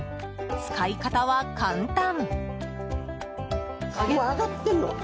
使い方は簡単。